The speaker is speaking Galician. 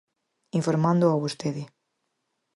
Informándoo a vostede.